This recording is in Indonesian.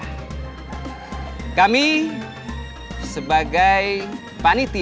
untuk melaksanakan sholat a'idul fitri